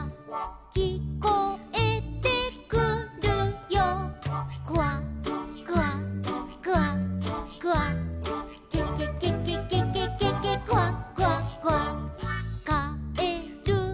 「きこえてくるよ」「クワクワクワクワ」「ケケケケケケケケクワクワクワ」「かえるのうたが」